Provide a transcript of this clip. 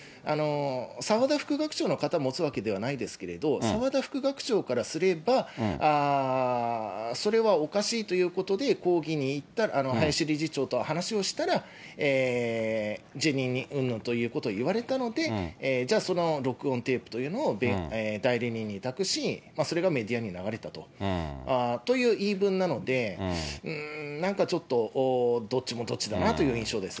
澤田副学長の肩を持つわけではないですけれど、澤田副学長からすれば、それはおかしいということで抗議に、林理事長と話をしたら、辞任うんぬんということを言われたので、じゃあ、その録音テープというのを代理人に託し、それがメディアに流れたという言い分なので、うーん、なんかちょっと、どっちもどっちだなという印象です。